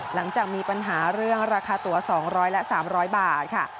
หลังจากมีปัญหาเรื่องราคาตัว๒๐๐และ๓๐๐บาทค่ะ